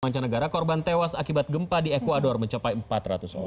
mancanegara korban tewas akibat gempa di ecuador mencapai empat ratus orang